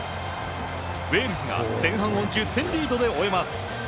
ウェールズが前半を１０点リードで終えます。